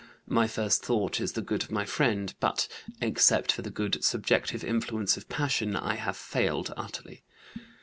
My first thought is the good of my friend, but, except for the good subjective influence of passion, I have failed utterly.